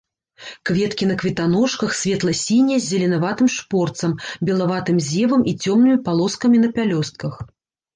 Кветкі на кветаножках, светла-сінія з зеленаватым шпорцам, белаватым зевам і цёмнымі палоскамі на пялёстках.